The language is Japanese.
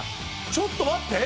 ちょっと待って！